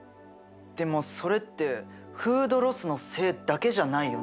でもそれってフードロスのせいだけじゃないよね多分。